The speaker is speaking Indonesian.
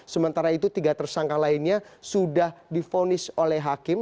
sementara itu tiga tersangka lainnya sudah difonis oleh hakim